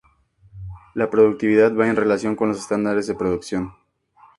La productividad va en relación con los estándares de producción.